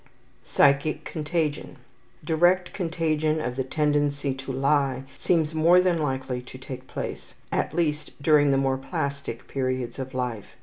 Psychic Contagion. Direct contagion of the tendency to lie seems more than likely to take place, at least during the more plastic periods of life.